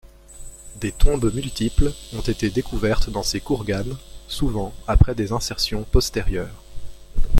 Des tombes multiples ont été découvertes dans ces kourganes, souvent après des insertions postérieures.